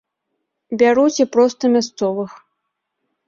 Бяруць і проста мясцовых.